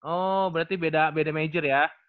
oh berarti beda major ya